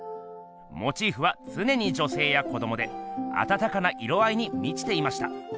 モチーフはつねに女せいや子どもであたたかな色合いにみちていました。